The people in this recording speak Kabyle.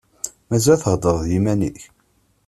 Mazal theddreḍ d yiman-ik?